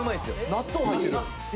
納豆入ってる。